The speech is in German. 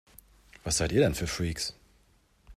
Was seid ihr denn für Freaks?